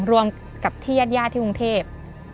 รวมกับที่ยาดที่กรุงเทพฯ